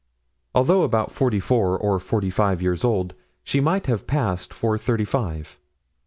Although about forty four or forty five years old, she might have passed for thirty five.